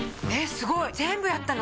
すごい全部やったの？